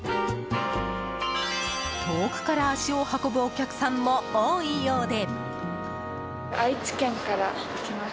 遠くから足を運ぶお客さんも多いようで。